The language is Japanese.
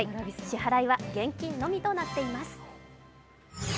支払いは現金のみとなっています。